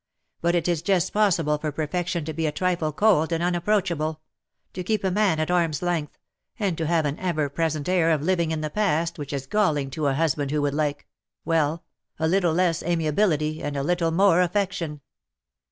But it is just possible for perfection to be a trifle cold and unapproachable — to keep a man at arm^s length — and to have an ever present air of living in the past which is galling to a husband who would like — well — a little less amiability, and a little more affection.